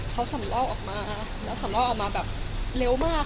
เขาสำลอกออกมาแล้วสำลอกออกมาแบบเร็วมาก